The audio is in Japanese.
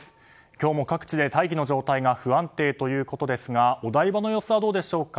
今日も各地で大気の状態が不安定ということですがお台場の様子はどうでしょうか。